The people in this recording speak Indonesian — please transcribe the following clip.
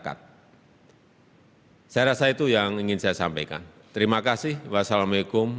bantuan ini adalah gabungan bantuan dari pemerintah dan dunia usaha serta masyarakat